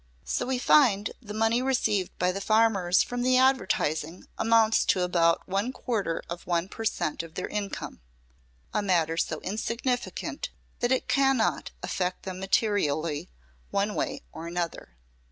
So we find that the money received by the farmers from the advertising amounts to about one quarter of one per cent of their income, a matter so insignificant that it cannot affect them materially, one way or another.